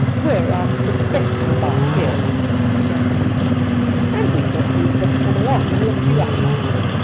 ' We're out prospectin'' about here,' began the leader, ' and we thought we'd just come along and look you up.'